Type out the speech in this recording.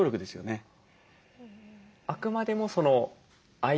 あくまでも相手。